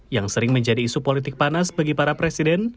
yang sering menjadi isu politik panas bagi para presiden